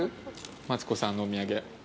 マツコさんのお土産。